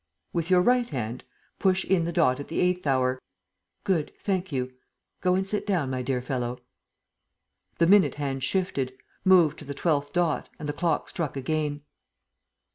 With your right hand, push in the dot at the eighth hour. Good. Thank you. Go and sit down, my dear fellow." The minute hand shifted, moved to the twelfth dot and the clock struck again.